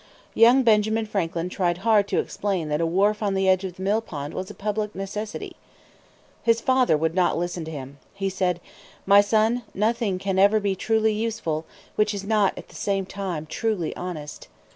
Young Benjamin Franklin tried hard to explain that a wharf on the edge of the millpond was a public necessity. His father would not listen to him. He said, "My son, nothing can ever be truly useful which is not at the same time truly honest."